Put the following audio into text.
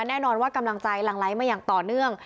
แน่นอนว่ากำลังใจหลังไหลมาอย่างต่อเนื่อง